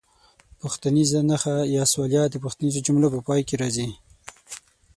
پوښتنیزه نښه یا سوالیه د پوښتنیزو جملو په پای کې راځي.